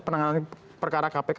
penanganan perkara kpk